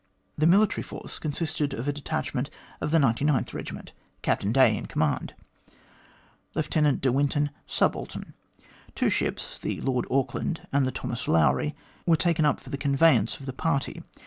The military force consisted of a detachment of the 99th Regiment : Captain Day in command; Lieutenant de Winton, subaltern. Two ships, the Lord Auckland and the Thomas Lowry, were taken up for the conveyance of the party.